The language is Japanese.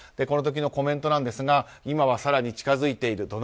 この時のコメントですが今は更に近づいている。